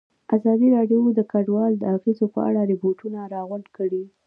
ازادي راډیو د کډوال د اغېزو په اړه ریپوټونه راغونډ کړي.